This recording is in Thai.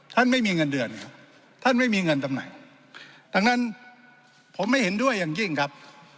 ไม่มีเงินเดือนครับท่านไม่มีเงินตำแหน่งดังนั้นผมไม่เห็นด้วยอย่างยิ่งครับ